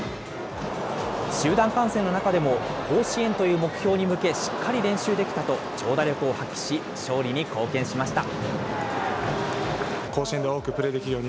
集団感染の中でも、甲子園という目標に向け、しっかり練習できたと、長打力を発揮し、勝利に貢献しました。